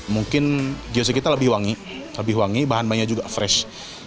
mungkin biasanya kita lebih wangi lebih wangi bahan bahannya juga fresh